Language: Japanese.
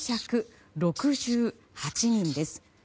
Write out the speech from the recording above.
６９６８人です。